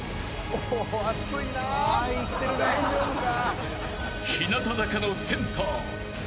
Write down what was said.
大丈夫か！？